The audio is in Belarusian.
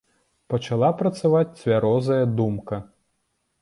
Пачала працаваць цвярозая думка.